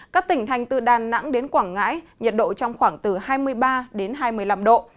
các tỉnh thành từ đà nẵng đến quảng ngãi nhiệt độ trong khoảng từ hai mươi ba đến hai mươi năm độ